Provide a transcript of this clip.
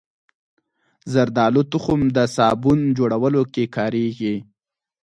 زردالو تخم د صابون جوړولو کې کارېږي.